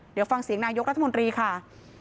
เดี๋ยวฟังเสียงนายกรัฐมนตรีค่ะ